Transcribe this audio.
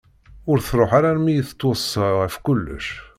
Ur truḥ ara armi i t-tweṣṣa ɣef kullec.